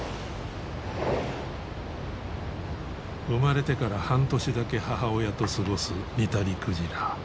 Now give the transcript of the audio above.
生まれてから半年だけ母親と過ごすニタリクジラ。